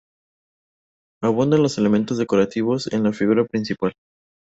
Abundan los elementos decorativos en la figura principal.